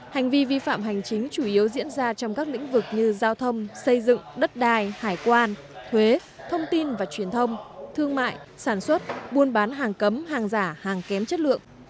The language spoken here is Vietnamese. hành vi vi phạm hành chính chủ yếu diễn ra trong các lĩnh vực như giao thông xây dựng đất đai hải quan thuế thông tin và truyền thông thương mại sản xuất buôn bán hàng cấm hàng giả hàng kém chất lượng